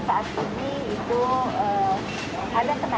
saat ini itu ada kenaikan